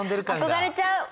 憧れちゃう。